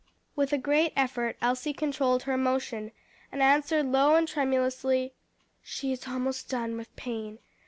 With a great effort Elsie controlled her emotion, and answered low and tremulously, "She is almost done with pain.